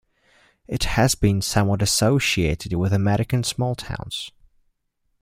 It has been somewhat associated with American small towns.